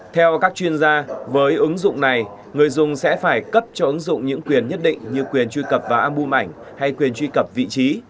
theo các chuyên gia với ứng dụng này người dùng sẽ phải cấp cho ứng dụng những quyền nhất định như quyền truy cập vào album ảnh hay quyền truy cập vị trí